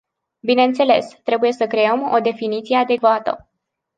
Bineînțeles, trebuie să creăm o definiție adecvată.